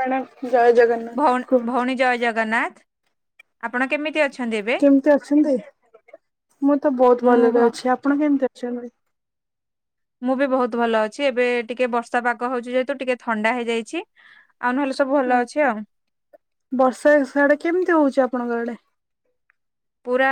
ପ ଜୟ ଜଗନ୍ ଭଉଣୀ ଭଉଣୀ ଜୟ ଜଗନ୍ନାଥ ଆପଣ କେମିତି ଅ କେମିତି ଅଛନ୍ତି ମୁଁ ତ ବହୁତ ଭଲରେ ଅଛି ଆପଣ କେମତି ଅଛନ୍ତି ମୁଁ ବି ବହୁତ ଭଲ ଅଛି ଏବେ ଟିକେ ବର୍ଷା ପାଗ ହଉଛି ଯେହେତୁ ଟିକେ ଥଣ୍ଡା ହେଇଯାଇଛି? ଆଉ ନହେଲେ ସବୁ ଭଲ ଅଛି ଆଉ ବର୍ଷା ସଆଡେ କେମିତି ହଉଛି ଆପଣଙ୍କ ଆଡ? ପୁରା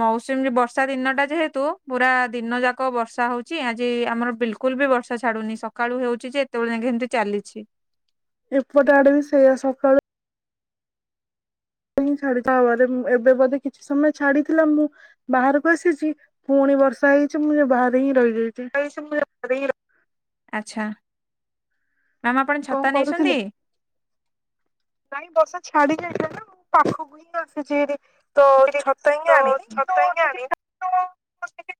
ମୌସୁମୀ ବର୍ଷା ଦିନ ଟା ଯେହେତୁ ପୁରା ଦିନ ଯାକ ବର୍ଷା ହଉଛି ଆଜି ଆମର ବିଲ କୁ। ବି ବର୍ଷା ଛଡୁନି ସକାଳୁ ହଉଛି ଯେ ଏତେବେଳେ ଯ ଏମିତି ଚାଲିଛି। ଏପଟ ଆଡ଼େ ବି ସେ ସକାଳେ ଁ ା [unintelligible] ତାପରେ ଏବେ ବୋଧେ କିଛି ସମୟ ଛାଡିଥିଲା ମୁଁ। ବାହାରକୁ ଆସିଛି ପୁଣି ବର୍ଷା ହେଇଛି ମୁଁ ଯଉ ବାହାରେ ହିଁ ରହିଯେଇଛି। ଆଛା। କଣ କରୁଥିଲେ? ନାଇଁ ବର୍ଷା ଛାଡି ଯାଇଥିଲା ନା ମୁଁ ପାଖକୁ ହିଁ ଆସଛିରେ। ତ ଛତ ହେଇକି ଆଣିନି କିନ୍ତୁ ଟିକେ। [unintelligible]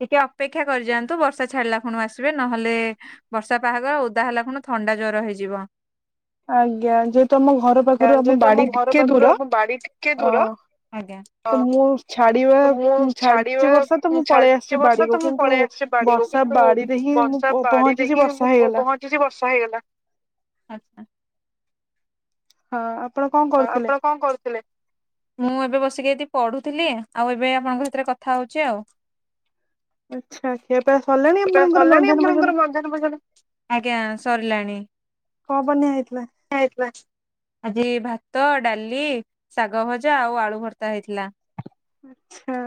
ଟିକେ ଅପେକ୍ଷା କରିଯାଆନ୍ତୁ ବର୍ଷା ଛାଡିଲା ଖଣ ଆସିବେ ନହେଲେ, ବର୍ଷା ପାହାଘର ଓଦା ହେଲା କଣି ଥଣ୍ଡା ଜର ହେଇଯିବ। ଆଜ୍ଞା ଯେହେତୁ ଆମ ଘର ପାଖରୁ ଆମ ବାଡି ଟିକେ ପାଖରୁ ଆମ ବାଡି ଟିକେ ଦୂର, ଆଜ୍ଞା ହ ମୁଁ ଛାଡିବା ଛାଡିଛି ବର୍ଷ ତ ମୁଁ ପଳେଇ ସେ ବାଡିକୁ କିନ୍ତୁ ବର୍ଷା ବାଡିରେ ହିଁ ମୁଁ ପହଞ୍ଚି ି ବର୍ଷା ହେଇଗଲା। ଆଛା। ହଁ ଆପଣ କଣ ହଁ ଆପଣ କଣ କରୁଥିଲେ? ମୁଁ ଏବେ ବସିକି ଯଠି ପଢୁଥିଲି ଆଉ ଏବେ ଆପଣଙ୍କ ସାଥିରେ କଥା ହଉଛି ଆଉ। ପସା ଲେଣି ଆପଣ ଗରବଛନ୍ତିନ ବଜନ। ଆଜ୍ଞା ସରିଲାଣି। କଣ ବନିଆ ହେଇଥିଲା। ଖିଆ ହେଇଥିଲା ଆଜି ଭାତ। ଭାତ ଡାଲି ଶାଗ ଭଜା ଆଉ ଆଳୁ ଭର୍ତ୍ତା ହେଇଥିଲା। ଆଚ୍ଛା।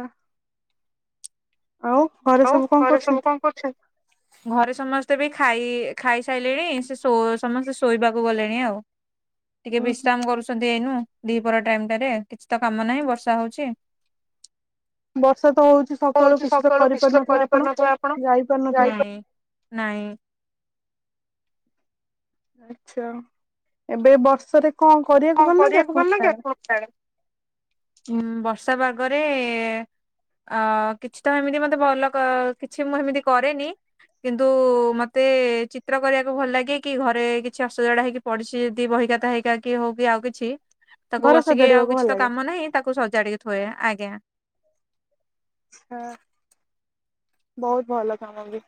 ଆଉ। ଆଉ ଘରେ ସବୁ କଣ କରୁଛନ୍ତି? ଘରେ ସମସ୍ତେ ବି ଖାଇ ଖାଇସାରିଲେଣି ସେ ସମସ୍ତେ ଶୋଇବାକୁ ଗଲେଣି ଆଉ। ଟିକେ ବିଶ୍ରାମ କରୁଛନ୍ତି ଏଇନୁ। ଦିପର ଟାଇମ ଟାରେ କିଛି ତ କାମ ନାହିଁ ବର୍ଷା ହଉଛି। ବର୍ଷା ତ ହଉଛି ସକାଳୁ କିଛି ତ କରି କି ତ କରିପାରୁନଥିଲେ ଆପଣ ନାଇଁ ନାଇଁ। ଆଚ୍ଛା ଏବେ ବର୍ଷରେ କଣ କରିବାକୁ ଭଲ ଲାଗେ ଆପଣଙ୍କ ଆଡେ? ଆଣ [inaudible] ଉ ବର୍ଷା ପାଗରେ- ଅ କିଛି ତ ଏମିତି ମତେ ଭଲ କିଛି ମୁଁ ଏମିତି କରେନି। କିନ୍ତୁ ମତେ ଚିତ୍ର କରିବାକୁ ଭଲ ଲାଗେ କି ଘରେ କିଛି ଅସଜଡ ହେଇକି ପଡିଛି ଜଦି ବହିଖାତା ହେଇକା କି ହଉ କି ଆଉ କିଛି ତାକୁ ବସିକି ଆଉ କିଛି ତ କାମ ନାାଇଁ ତାକୁ ସଜାଡିକି ଥୁଏ ଆଜ୍ଞା। ହଁ ବହୁତ ଭଲ କାମ ବି।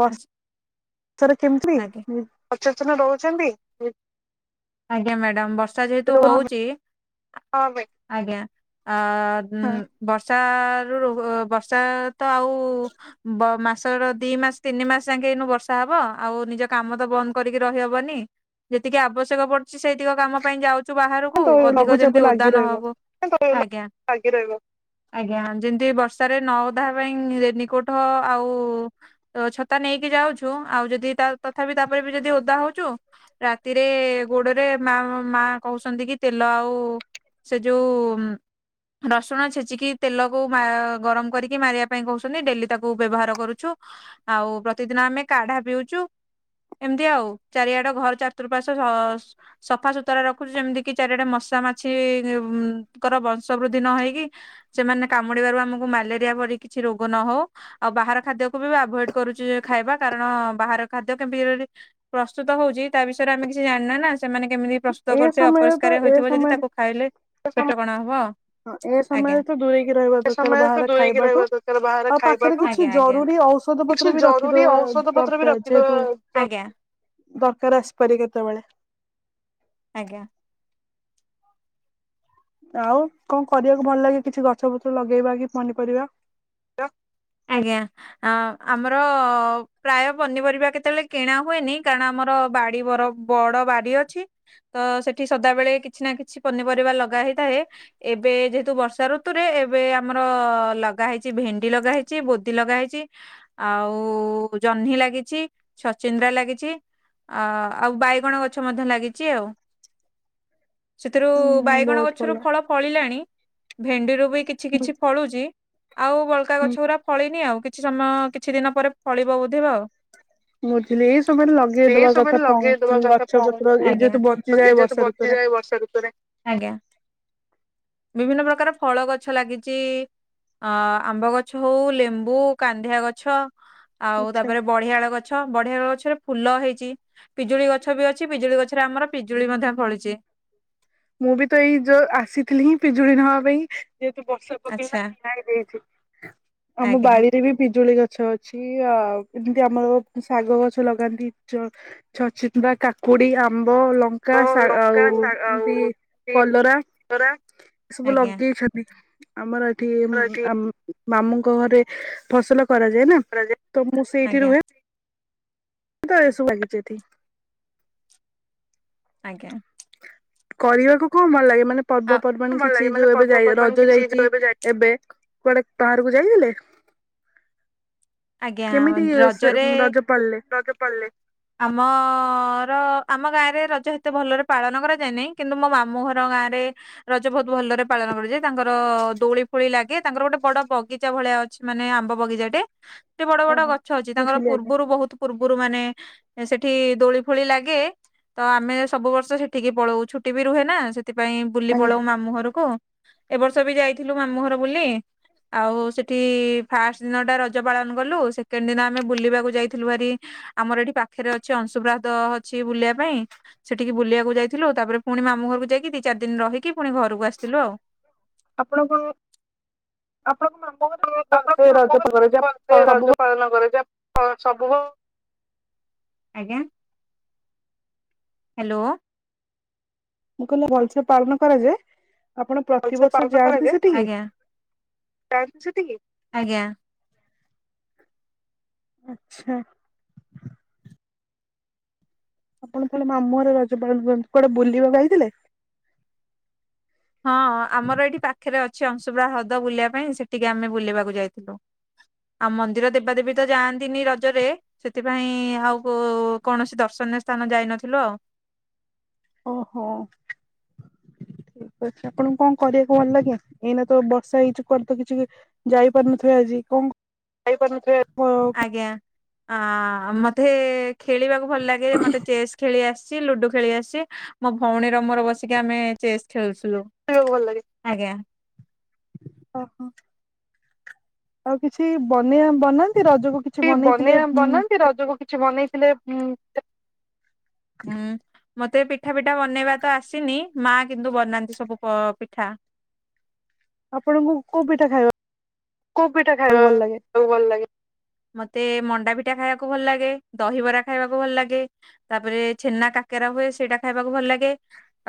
ବସ୍ [unintelligible] ତରେ କେମିତି। ଅଚତନ ରହୁଛନ୍ତି, ଆଜ୍ଞା ମ୍ୟାଡାମ, ବର୍ଷା ଯେହେତୁ ହଉଛି ହ ଆଜ୍ଞା ଆ ବର୍ଷ ରୁ ର ବର୍ଷା ତ ଆଉ ମାସର ଦି ମାସ। ତିନି ମାସ ଯାଇକେ ଏଇନୁ ବର୍ଷା ହବ। ଆଉ ନିଜ କାମ ତ ବନ୍ଦ କରିକି ରହିହବନି ଯେତିକି ଆବଶ୍ୟକ ପଡୁଛି, ସେଇତିକ କାମ ପାଇଁ ଯାଉଛୁ ବାହାରକୁ। ଅଧିକ ଯେମିତି ଓଦା ନହବୁ। [unintelligible] ରହିବ। ଆଜ୍ଞା। ଯେମତି ବର୍ଷାରେ ନଅଦା ପାଇଁ ରେନିକୋଟ ଆଉ ତ ଛତା ନେଇକି ଯାଉଛୁ ଆଉ ଯଦି ତଥାପି ତାପରେ ବି ଯଦି ଓଦା ହଉଛୁ ରାତିରେ ଗୋଡରେ ମା ମା କହୁଛନ୍ତି କି ତେଲ ଆଉ ସେ ଯୋଉ ରସୁଣ ଛେଚିକି ତେଲକୁ ଗରମ କରିକି ମାରିବା ପାଇଁ କହୁଛନ୍ତି ଡେଲି ତାକୁ ବ୍ୟବହାର କରୁଛି ଆଉ ପ୍ରତିଦିନ ଆମେ କାଢା ପିଉଛୁ ଏମିତି ଆଉ ଚାରିଆଡ ଘର ଚାରୁପାଶଵ ସଫା ସୁୁତୁରା ରଖୁଛୁ ଯେମିତି କିି ଚାରିଆଡେ ମଶା ମାଛିଙ୍କର ବଂଶ ବୃଦ୍ଧି ନ ହେଇକି ସେମାନେ କାମୁଡିବାରୁ ଆମକୁ ମ୍ୟାଲେରିଆ ଭରି କିଛି ରୋଗ ନ ହଉ ଆଉ ବାହାର ଖାଦ୍ୟକୁ ବି ଆଭଡ କରୁଛି ଖାଇବା କାରଣ ବାହାର ଖାଦ୍ୟ କେମିତି? ପ୍ରସ୍ତୁତ ହଉଛି ତା ବିଷୟରେ ଆମେ କିଛି ଜାଣିନ ନା? ସେମାନେ କେମିତି ପ୍ରସ୍ତୁତ କରୁଥିବେ ଅପରିଷ୍କାର ହେଇଥିବ ଯଦି ତାକୁ ଖାଇଲେ କଟକଣା ହବ। ହଁ ଏ ସମୟରେ ତ ଦୂରେଇକି ରହିବା ଦରକାର ବାହାରେ ଖାଇବାଠୁ ଆଉ ପାଖରେ କିଛି ଜରୁରୀ ଔଷଧ। ପତ୍ର ବି ରଖିଦବା ଦରକାର ଯେହେତୁ ଦରକାର ଆସିପାରି କେତେବେଳେ ଆଜ୍ଞା। ଆଉ କଣ କରିବାକୁ ଭଲ ଲାଗେ? କିଛି ଗଛ ଫୁଛ ଲଗେଇବା କି ପନିପରିବା। ଆଜ୍ଞା। ଅ ଆମର ପ୍ରାୟ ପନିପରିବା କେତେବେଳେ କିଣା ହୁଏନି କାରଣ ଆମର ବାଡି ବରଫ ବଡ ବାଡି ଅଛି ତ ସେଠି ସଦାବେେଳେ କିଛି ନା କିଛି ପନିପରିବା ଲଗା ହେଇଥାଏ। ଏବେ ଯେହେତୁ ବର୍ଷା ଋତୁରେ ଏବେ ଆମର ଲଗା ହେଇଛି। ଛି ଭେଣ୍ଡି ଲଗା ହେଇଛି ବୋଦି ଲଗା ହେଇଛି। ଆଉ ଜହ୍ନି ଲାଗିଛି ସଚିନ୍ଦ୍ରା ଲାଗିଛି। ଅ ଆଉ ବାଇଗଣ ଗଛ ମଧ୍ୟ ଲାଗିଛି ଆଉ ସେଥିରୁ ବାଇଗଣ ଗଛରୁ ଫଳ ଫଳିଲାଣି, ଭେଣ୍ଡିରୁ ବି କିଛି, କିଛି ଫଳୁଛି। ଆଉ ବଳକା ଗଛ ଗୁା ଫଳିନି ଆଉ, କିଛି ସମୟ କିଛି ଦିନ ପରେ ଫଳିବ ବୁଧିବ ଆଉ? [unintelligible] ସେଇ ସବୁ ଲଗେଇଦବା ପହ ଏ ଯେହେତୁ ବର୍ଷା ଋତୁରେ, ଆଜ୍ଞା ବିଭିନ୍ନ ପ୍ରକାର ଫଳ ଗଛ ଲାଗିଛି। ଅ ଆମ୍ବ ଗଛ ହଉ, ଲେମ୍ବୁ, କାନ୍ଧିଆ ଗଛ, ଆଉ ତାପରେ ବଢିଆଳ ଗଛ ଗଛ ବଢିଆଳ ଗଛରେ ଫୁଲ ହେଇଛି। ପିଜୁଳି ଗଛ ବି ଅଛି ପିଜୁଳି ଗଛରେ ଆମର ପିଜୁଳି ମଧ୍ୟ ଫଳିଛି। ମୁଁ ବି ତ ଏଇ ଯୋଉ ଆସିଥିଲି ହିଁ ପିଜୁଳି ନବା ପାଇଁ ଯେହେତୁ ବର୍ଷା ପକେଇଲେ ଠିଆ ହେଇଯାଇଛି, ଆମ ବାଡିରେ ବି ପିଜୁଳି ଗଛ ଅଛି। କିଛି ଅ ଏମିତି ଆମର ଶାଗ ଗଛ ଲଗାନ୍ତି। ଛଚିନ୍ଦ୍ରା, କାକୁଡି, ଆମ୍ବ, ଲଙ୍କା ଆଉ। କଲରା ଏ ସବୁ ଲଗେଇଛନ୍ତି। ଆମର ଏଠି ମାମୁଁଙ୍କ ଘରେ ଫସଲ କରାଯାଏ ନା। ତ ମୁଁ ସେଇଠି ରୁହେ ତ ଏ ଶୁ ଲାଗିଛି ଏ ଆଜ୍ଞା। କରିବାକୁ କଣ ଭଲ ଲାଗେ ମାନେ ପର୍ବପର୍ବାଣିୀ କିଛି ଯୋଉ ଏବେ ଯାଇ ରଜ ଯାଇଛି ଏବେ କୁଆଡେ ବାହାରକୁ ଯାଇଦଲେ ଆଜ୍ଞା ରଜରେ ର ପିଲ ଆମ ର ଆମ ଗାଁରେ ରଜ ସେତେ ଭଲରେ ପାଳନ କରାଯାଏନହିଁ। କିନ୍ତୁ ମୋ ମାମୁଁ ଘର ଗାଁ ରେ। ରଜ ବହୁତ ଭଲରେ ପାଳନ କରାଯାଏ ତାଙ୍କର ଦୋଳି ଫୋଳି ଲାଗେ ତାଙ୍କର ଗୋଟେ ବଡ ବଗିଚା ଭଳିଆ ଅ ଅଛି ମାନେ ଆମ୍ବ ବଗିଚାଟେ ଏତେ ବଡ ବଡ ଗଛ ଅଛି ତାଙ୍କର ପୂର୍ବରୁ ବହୁତୁ ପୂର୍ବରୁ ମାନେ ଏ ସେଠି ଦୋଳି ଫୋଳି ଲାଗେ। ତ ଆମେ ସବୁ ବର୍ଷ ସେଠିକି ପଳଉ ଛୁଟି ବି ରୁହେ ନା ସେଥିପାଇଁ ବୁଲି ପଳଉ ମାମୁଁ ଘରକୁ। ଏ ବର୍ଷ ବି ଯାଇଥିଲୁ ମାମୁଁ ଘର ବୁଲି ଆଉ ସେଠି ଫାର୍ଷ୍ଟ ଦିନ ଟା ରଜ ପାଳନ କଲୁ ସେକେଣ୍ଡ ଦିନ ଆମେ ବୁଲିବାକୁ ଯାଇଥିଲୁ ଭେରି। ଆମର ଏଠି ପାଖରେ ଅଛି ଅଂଶୁପା ହ୍ରଦ ଅଛି ବୁଲିବା ପାଇଁ। ସେଠିକି ବୁଲିବାକୁ ଯାଇଥିଲୁ ତାପରେ ପୁଣି ମାମୁଁ ଘରକୁ ଯାଇକି ଦି ଚାରି ଦିନ ରହିକି ପୁଣି ଘରକୁ ଆସିଥିଲୁ ଆଉ। ଆପଣଙ୍କୁ ଆପଣଙ୍କ ମାମୁଁ ଘରେ ବହୁତ ଭଲସେ ରଜ [inaudible] ସବୁ ବ ଆଜ୍ଞା। ହାଲୋ। ମୁଁ କହିଲି ଭଲସେ ପାଳନ କରାଯାଏ। ଆପଣ ପ୍ରତିବର୍ଷ ଯାଆନ୍ତି ସେଠିକି? ଆଜ୍ଞା। ଆଚ୍ଛା। ଆପଣ ପୁଣି ମାମୁଁ ଘର ଯାଉଛ [unintelligible] କୁଆଡେ ବୁଲିବାକୁ ଆଇଥିଲେ। ହଁ ଆମର ଏଇଠି ପାଖରେ ଅଛି ଅଂଶୁପା ହ୍ରଦ ବୁଲିବା ପାଇଁ ସେଠିକି ଆମେ ବୁଲିବାକୁ ଯାଇଥିଲୁ। ଆଉ ମନ୍ଦିର ଦେବାଦେବୀ ତ ଯାଆନ୍ତିନି ରଜରେ। ସେଥିପାଇଁ ଆଉ କୋ କୌଣସି ଦର୍ଶନୀୟ ସ୍ଥାନ ଯାଇନଥିଲୁ ଆଉ। ଓହୋ। ଠିକ୍ ଅଛି ଆପଣଙ୍କୁ କଣ କରିବାକୁ ଭଲ ଲାଗେ ଏଇନା ତ ବର୍ଷା ହେଇଚି କୁଆଡେ ତ କିଛି? ଯାଇ ପାରୁନଥିବେ ଆଜି କ ଆଜ୍ଞା ଆଁ ମତେ। ଖେଳିବାକୁ ଭଲ ଲାଗେ ମତେ ଚେସ୍ ଖେଳି ଆସିଚି ଲୁଡୁ ଖେଳି ଆସିଚି। ମୋ ଭଉଣୀର ମୋର ବସିକି ଆମେ ଚେସ୍ ଖେଳୁୁଥିଲୁ ଆଜ୍ଞା। ଓହୋ ଆଉ କିଛି ବନେୟା ବନାନ୍ତି ରଜକୁ କି ଏ ବନେୟା ବନାନ୍ତି ରଜକୁ କିଛି ବନେଇଥିଲେ ଉଁ। ମତେ ପିଠା ଫିଠା ବନେଇବା ତ ଆସିନି ମା କିନ୍ତୁ ବନାନ୍ତି ସବୁ ପ-ପିଠା। ଆପଣଙ୍କୁ କୋଉ ପିଠା ଖାଇ କୋଉ ପିଠା ଖାଇବା ଭଲ ଲାଗେ? ମତେ ମଣ୍ଡାପିଠା ଖାଇବାକୁ ଭଲ ଲାଗେ। ଦହିବରା ଖାଇବାକୁ ଭଲ ଲାଗେ। ତାପରେ ଛେନା କାକେରା ହୁଏ ସେଇଟା ଖାଇବାକୁ ଭଲ ଲାଗେ।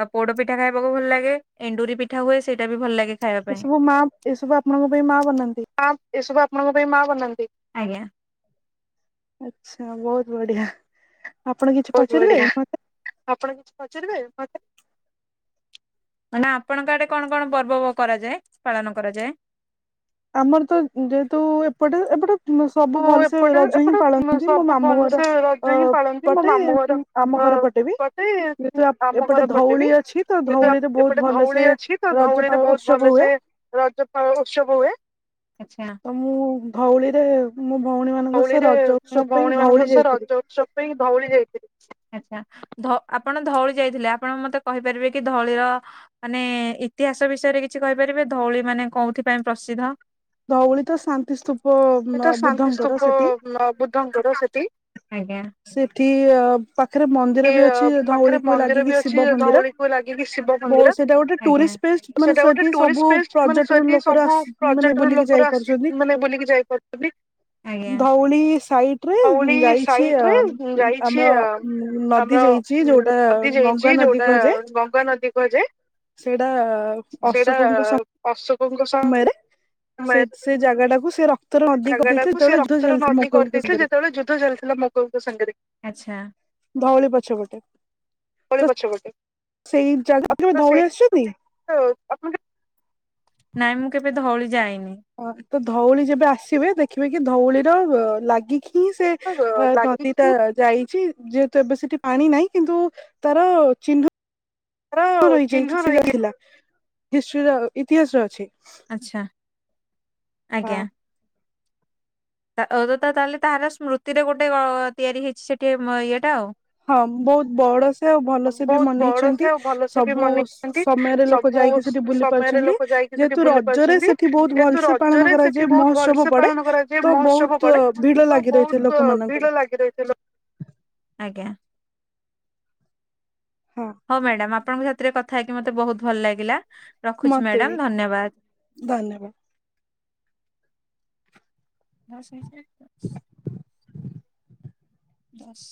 ଆଉ ପୋଡ ପିଠା ଖାଇବାକୁ ଭଲ ଲାଗେ। ଏଣ୍ଡୁରି ପିଠା ହୁଏ ସେଇଟା ବି ଭଲ ଲାଗେ। ଏସବୁ ମା ଏସବୁ ଆପଣଙ୍କ ପାଇଁ ମା ବନାନ୍ତି? ଆଜ୍ଞା। ଆଚ୍ଛା ବହୁତ ବଢିଆ। ବହୁତ ବଢିଆ ଆପଣ କିଛି ପଚାରିବେ ମତେ? ମାନେ ଆପଣଙ୍କ ଆଡେ କଣ କଣ ପର୍ବ କରାଯାଏ ପାଳନ କରାଯାଏ? ଆମର ତ ଉଁ ଯେହେତୁ ଏପଟେ ଏପଟେ। ଆମେ ସବୁ ଭଲସେ ରଜ ହିଁ ପାଳନ୍ତି ମୋ ମାମୁଁ ଘର ଅ ପଟେ ଉଁ ଆମ ଘର ପଟେ ବି ଯେହେତୁ ଆପ୍ ଏପଟେ ଧଉଳି ଅଛି। ତ ଧଉଳିରେ ବହୁତ ଭଲସେ। ରଜ ପାଳ ଉତ୍ସବ ହୁଏ। ରଜ ପାଳ ଉତ୍ସବ। ଆଚ୍ଛା। ଆ ମୁଁ ଧଉଳିରେ ମୁଁ ଭଉଣୀ ମାନଙ୍କ ସହ ରଜ ଉତ୍ସବ ପାଇଁ ଧଉଳି ଯାଇଥିଲି। ଉତ୍ସବ ପାଇଁ ଧଉଳି ଯାଇଥିଲି। ଆଚ୍ଛା ଧ ଆପଣ ଧଉଳି ଯାଇଥିଲେ। ଆପଣ ମତେ କହିପାରିବେ କି ଧଉଳିର? ମାନେ ଇତିହାସ ବିଷୟରେ କିଛି କହିପାରିବେ ଧଉଳି ମାନେ କୋଉଥିପାଇଁ ପ୍ରସିଦ୍ଧ? ଧଉଳି ତ ଶାନ୍ତି ସ୍ତୂପ ଉଁ ଆଁ ବୁଦ୍ଧଙ୍କର ସେଠି। ଆଜ୍ଞା। ସେଠି ଆ ପାଖରେ ମନ୍ଦିର ବି ଅଛି ଧଉଳିକୁୁ ଲାଗିକି ଶିବ ମନ୍ଦିର। ତାକୁ ଲାଗିକି ଶିବ ମନ୍ଦିର ଆଜ୍ଞା ଅ ସେଇଟା ଗୋଟେ ଟୁରିଷ୍ଟ ପ୍ଲେସ ମାନେ ସେଠି ସବୁ ପର୍ଯ୍ୟଟନ ଲୋକର ଆସିକି ମାନେ ବୁଲିକି ଯାଇପାରୁଚନ୍ତି। ଧଉଳି ସାଇଟ୍ ରେ ଯାଇଛି। କ୍ୟମ୍ ଆମର ନଦୀ ଯାଇଛି ଯୋଉଟା ଗଙ୍ଗା ନଦୀ କୁହାଯାଏ। କୁହା ଯାଏ। ସେଇଟା ଅଶୋକଙ୍କ ସତ୍ ଅଶୋକଙ୍କ ସହ [unintelligible] ସେ ଜାଗାଟାକୁ ସେ ର ଜାଗାଟାକୁ ସେ ରକ୍ତର ନଦୀ କରିଦେଇଥିଲେ ଯେତେବେଳେ ଯୁଦ୍ଧ ଚାଲିଥିଲା ମଗଲଙ୍କ ସାଙ୍ଗରେ ଆଛା। ଧଉଳି ପଛପଟେ ତ ସେଇ ଜାଗାପ ଧଉଳି ଆସିଛନ୍ତି? ନାଇଁ ମୁଁ କେବେ ଧଉଳି ଯାଇନି। ହଁ ତ ଧଉଳି ଯେବେ ଆସିବେ ଦେଖିବେ କି ଧଉଳିର ଲାଗିକି ହିଁ ସେ ନଦୀଟା ଯାଇଛି ଯେହେତୁ ଏବେ ସେଠି ପାଣି ନାହିଁ କିନ୍ତୁ ତାର ଚିହ୍ନ ରହିଯାଇଛି ହିଷ୍ଟ ର ଇତିହାସରେ ଅଛି। ଆଚ୍ଛା ଆଜ୍ଞା। ଆଉ ତ ତାହେଲେ ତାହାର ସ୍ମୃତିରେ ଗୋଟେ ତିଆରି ହେଇଛି ସେଠି ଇଏଟା ଆଉ। ହଁ ବହୁତ ବଡ ସେ ଆଉ ଭଲ ସେ ବି ମନେଇଛନ୍ତି ସବୁ ସମୟରେ ଲୋକ ଯାଇକି ସେଠି ବୁଲି ପାରୁଛନ୍ତି ଯେହେତୁ ରଜରେ ସେଠି ବହୁତ ଭଲସେ ପାଳନ କରାଯାଏ ମହୋତ୍ସବ ପଡେ ତ ବହୁତ ଭିଡ ଲାଗି ରହିଥାଏ ଲୋକମାନାନଙ୍କର ଲାଗିରହିଥାଏ ଲୋ ଆଜ୍ଞା। ହଁ। ହଉ ମ୍ୟାଡାାମ ଆପଣଙ୍କ ସାଥିରେ କଥା ହେଇକି ମତେ ବହୁତ ଭଲ ଲାଗିଲା ରଖୁଛି ମ୍ୟାଡାମ ଧନ୍ୟବାଦ। ଧନ୍ୟବାଦ। ଦଶ ବିଷୟ [inaudible] ଦଶ